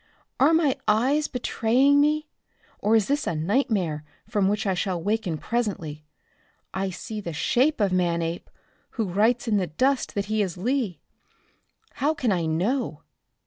Are my eyes betraying me, or is this a nightmare from which I shall waken presently? I see the shape of Manape, who writes in the dust that he is Lee. How can I know?